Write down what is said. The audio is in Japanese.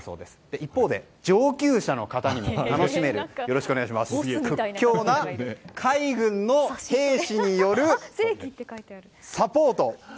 一方で上級者にも楽しめる屈強な海軍の兵士によるサポート。